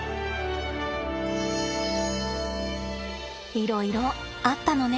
いろいろあったのね。